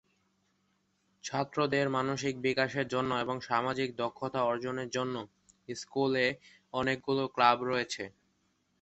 ছাত্রদের মানসিক বিকাশের জন্য এবং সামাজিক দক্ষতা অর্জনের জন্য স্কুলে অনেকগুলো ক্লাব রয়েছে।